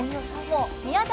宮崎